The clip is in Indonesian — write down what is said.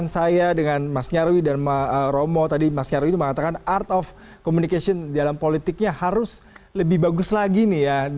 saya ingin mengatakan art of communication dalam politiknya harus lebih bagus lagi nih ya